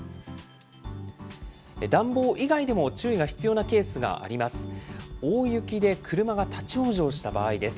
暖房以外でも注意が必要なケースがあります。